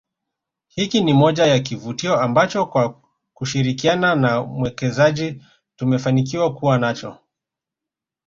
Hiki ni moja ya kivutio ambacho kwa kushirikiana na mwekezaji tumefanikiwa kuwa nacho